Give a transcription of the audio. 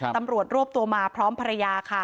ตำรวจรวบตัวมาพร้อมพรยา